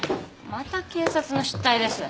また警察の失態です。